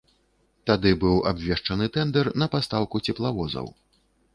Тады быў абвешчаны тэндэр на пастаўку цеплавозаў.